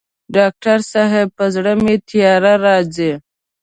ډاکټر صاحب په زړه مي تیاره راځي